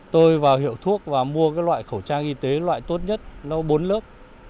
tôi vào hiệu thuốc và mua cái loại khẩu trang y tế loại tốt nhất nấu bốn lớp